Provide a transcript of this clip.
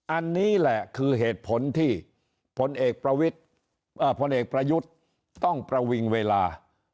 อันนี้แหละคือเหตุผลที่พลเอกประยุทธ์ต้องประวิงเวลา